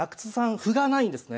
歩が無いんですね。